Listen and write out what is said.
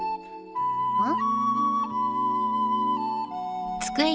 うん？